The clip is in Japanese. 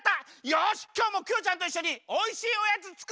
よしきょうもクヨちゃんといっしょにおいしいおやつつくっちゃおう！